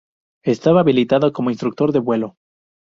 Estaba habilitado como instructor de vuelo.